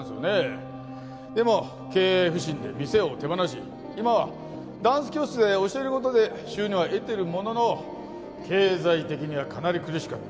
でも経営不振で店を手放し今はダンス教室で教える事で収入は得ているものの経済的にはかなり苦しかった。